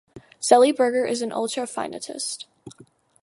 Zeilberger is an ultrafinitist.